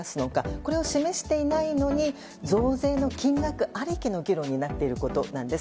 これを示していないのに増税の金額ありきの議論になっていることなんです。